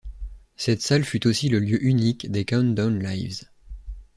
Cette salle fut aussi le lieu unique des Countdown Lives.